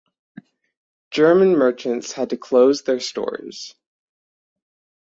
German merchants had to close their stores.